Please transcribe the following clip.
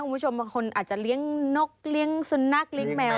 คุณผู้ชมบางคนอาจจะเลี้ยงนกเลี้ยงสุนัขเลี้ยงแมว